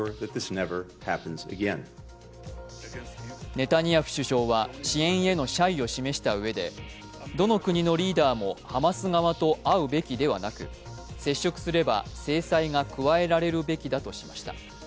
ネタニヤフ首相は支援への謝意を示したうえで、どの国のリーダーもハマス側と会うべきではなく接触すれば、制裁が加えられるべきだとしました。